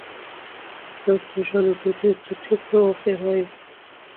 Her special duty is to take care of the rice.